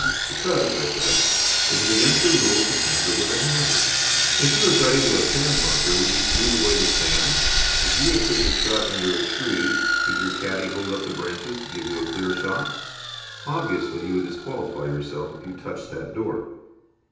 "Because," I said, "it is against the rules to tamper with a hazard. If you had got into a sand bunker, would you smooth away the sand? If you had put your shot under a tree, could your caddie hold up the branches to give you a clear shot? Obviously you would disqualify yourself if you touched that door."